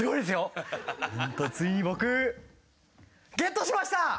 なんとついに僕ゲットしました！